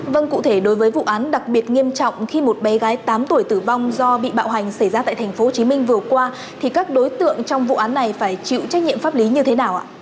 vâng cụ thể đối với vụ án đặc biệt nghiêm trọng khi một bé gái tám tuổi tử vong do bị bạo hành xảy ra tại tp hcm vừa qua thì các đối tượng trong vụ án này phải chịu trách nhiệm pháp lý như thế nào ạ